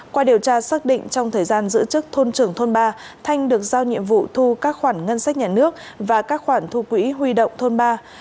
qua điều tra xác định trong thời gian giữ chức thôn trưởng thôn ba thanh được giao nhiệm vụ thu các khoản ngân sách nhà nước và các khoản thu quỹ huy động thôn ba